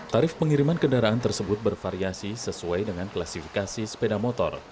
tarif pengiriman kendaraan tersebut bervariasi sesuai dengan klasifikasi sepeda motor